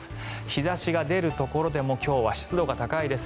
日差しが出るところでも今日は湿度が高いです。